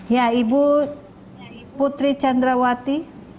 ya ibu putri santrawati